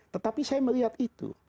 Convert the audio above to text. tetapi saya melihat itu